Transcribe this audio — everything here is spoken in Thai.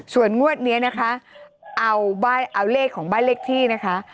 ส่วนงวดนี้นะคะเอาเลขของบ้านเลขที่นะคะ